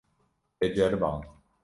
Te ceriband.